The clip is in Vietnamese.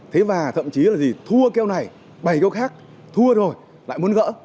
thế và thậm chí là gì thua kêu này bày kêu khác thua rồi lại muốn gỡ